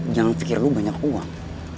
jangan pikir lo banyak uang